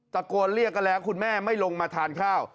ตะโกนเรียกกันแล้วคุณแม่ไม่ลงมาทานข้าว